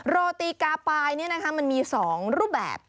โรติกาปายนี่นะคะมันมี๒รูปแบบ